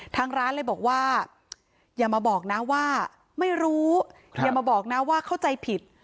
ทางร้านเลยบอกว่าอย่ามาบอกนะว่าไม่รู้อย่ามาบอกนะว่าเข้าใจผิด